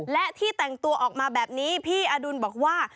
และที่แต่งตัวออกมาแบบนี้พี่อดุลบอกว่า